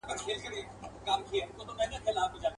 توبې راڅخه تښته چي موسم دی د ګلونو.